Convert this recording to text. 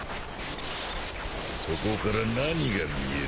そこから何が見える？